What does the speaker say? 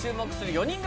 ４人組